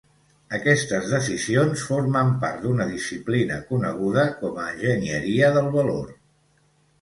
Aquestes decisions formen part d'una disciplina coneguda com a enginyeria del valor.